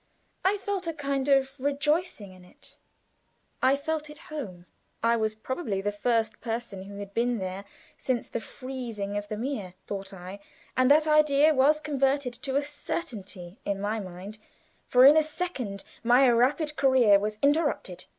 I felt a kind of rejoicing in it; I felt it home. I was probably the first person who had been there since the freezing of the mere, thought I, and that idea was soon converted to a certainty in my mind, for in a second my rapid career was interrupted.